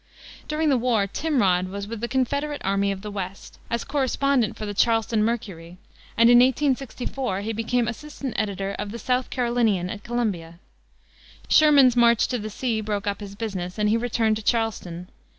During the war Timrod was with the Confederate Army of the West, as correspondent for the Charleston Mercury, and in 1864 he became assistant editor of the South Carolinian, at Columbia. Sherman's "march to the sea" broke up his business, and he returned to Charleston.